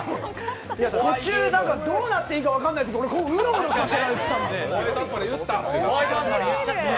途中どうなっていいか分からなくて、俺うろうろさせられてたので。